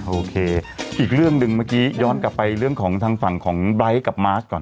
โอเคอีกเรื่องหนึ่งเมื่อกี้ย้อนกลับไปเรื่องของทางฝั่งของไลท์กับมาสก่อน